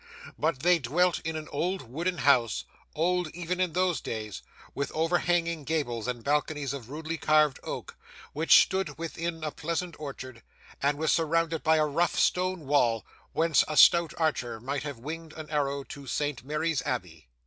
But they dwelt in an old wooden house old even in those days with overhanging gables and balconies of rudely carved oak, which stood within a pleasant orchard, and was surrounded by a rough stone wall, whence a stout archer might have winged an arrow to St Mary's Abbey.